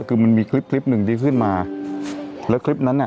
คือมันมีคลิปคลิปหนึ่งที่ขึ้นมาแล้วคลิปนั้นอ่ะ